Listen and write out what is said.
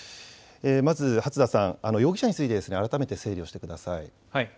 まず容疑者について改めて整理してください。